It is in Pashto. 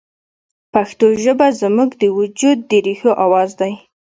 پښتو ژبه زموږ د وجود د ریښو اواز دی